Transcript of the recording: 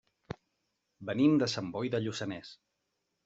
Venim de Sant Boi de Lluçanès.